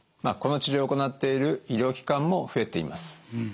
この治療を行っている医療機関も増えています。